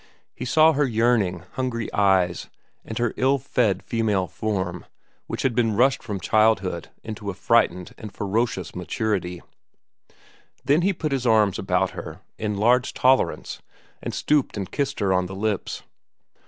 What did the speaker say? He saw her yearning, hungry eyes, and her ill fed female form which had been rushed from childhood into a frightened and ferocious maturity; then he put his arms about her in large tolerance and stooped and kissed her on the lips.